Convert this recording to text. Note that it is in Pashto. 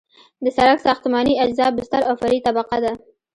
د سرک ساختماني اجزا بستر او فرعي طبقه ده